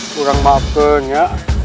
kurang maafkan ya